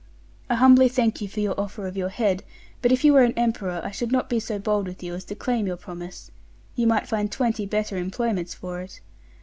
I humbly thank you for your offer of your head; but if you were an emperor, I should not be so bold with you as to claim your promise; you might find twenty better employments for't.